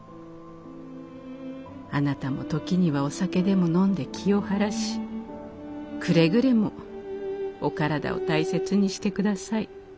「あなたも時にはお酒でも飲んで気を晴らしくれぐれもお体を大切にしてください。